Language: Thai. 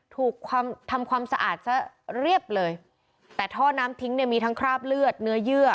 ถูกทำความสะอาดซะเรียบเลยแต่ท่อน้ำทิ้งเนี่ยมีทั้งคราบเลือดเนื้อเยื่อ